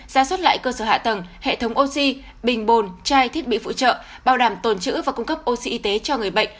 ra soát lại cơ sở hạ tầng hệ thống oxy bình bồn trai thiết bị phụ trợ bảo đảm tồn chữ và cung cấp oxy y tế cho người bệnh